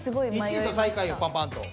１位と最下位はパンパンと？